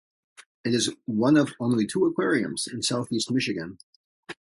It is one of only two aquariums in Southeast Michigan.